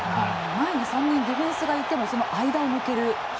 前に３人ディフェンスがいても間を抜ける。